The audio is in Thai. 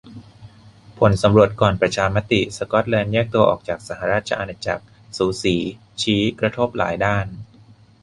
ผลสำรวจก่อนประชามติ สก๊อตแลนด์แยกตัวออกจากสหราชอาณาจักร"สูสี" ชี้ "กระทบหลายด้าน"